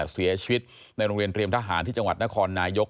เสียชีวิตในโรงเรียนเตรียมทหารที่จังหวัดนครนายก